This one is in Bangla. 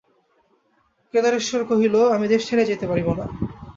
কেদারেশ্বর কহিল, আমি দেশ ছাড়িয়া যাইতে পারিব না।